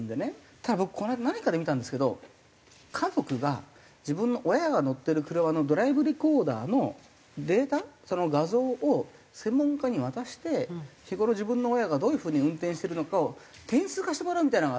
ただ僕この間何かで見たんですけど家族が自分の親が乗ってる車のドライブレコーダーのデータその画像を専門家に渡して日頃自分の親がどういう風に運転してるのかを点数化してもらうみたいなサービスってありますよね？